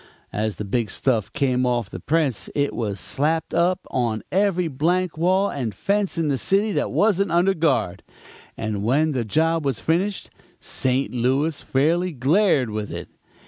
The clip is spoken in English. As the big stuff came off the press it was slapped up on every blank wall and fence in the city that wasn't under guard; and when the job was finished, St. Louis fairly glared with it.